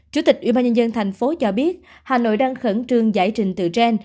chủ tịch ubnd thành phố cho biết hà nội đang khẩn trương giải trình tự gen